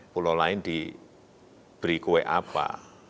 pulau lain diberi kue apa